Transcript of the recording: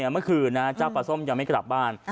เมื่อคืนเจ้าปลาส้มยังไม่กลับบ้าน